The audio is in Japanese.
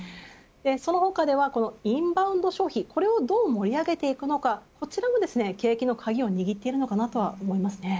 その他では、インバウンド消費これをどう盛り上げていくのかこちらも景気の鍵を握っていると思います。